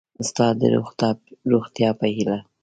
ستا د روغتیا په هیله